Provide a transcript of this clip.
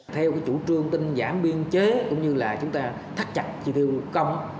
theo chủ trương tinh giản biên chế cũng như là chúng ta thắt chặt chi tiêu công